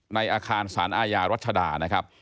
ในอาคารสารอาญารัชดานะครับ